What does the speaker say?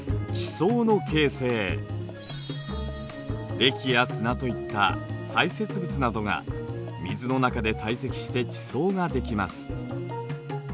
れきや砂といった砕屑物などが水の中で堆積して地層ができます。